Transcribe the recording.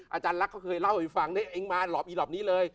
อาจารย์ลักษ์เขาเคยเล่าให้ฟังเองมาหลอบอีหลอปนี้เลย